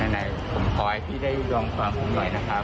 ไหนผมขอให้พี่ได้ลองฟังผมหน่อยนะครับ